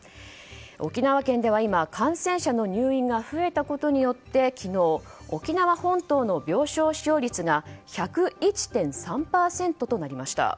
沖縄県では今、感染者の入院が増えたことによって昨日、沖縄本島の病床使用率が１０１．３％となりました。